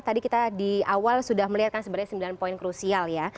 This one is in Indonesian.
tadi kita di awal sudah melihat kan sebenarnya sembilan poin krusial ya